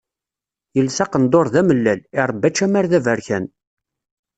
Yelsa aqendur d amellal, irebba ačamar d aberkan.